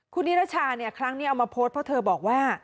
คุณนิรชาเนี่ยครั้งนี้เอามาโพสต์เพราะเธอบอกว่า